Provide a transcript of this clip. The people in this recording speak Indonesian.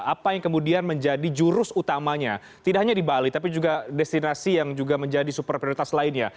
apa yang kemudian menjadi jurus utamanya tidak hanya di bali tapi juga destinasi yang juga menjadi super prioritas lainnya